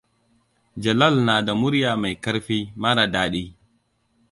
Jalal na da murya mai ƙarfi, mara daɗi.